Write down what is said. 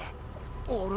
あれ？